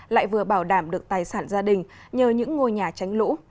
lại vừa bảo đảm được tài sản gia đình nhờ những ngôi nhà tránh lũ